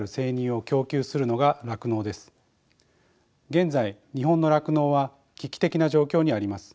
現在日本の酪農は危機的な状況にあります。